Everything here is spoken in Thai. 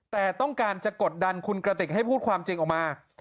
แต่ต้องการจะกดดันคุณกระติกให้พูดความจริงออกมา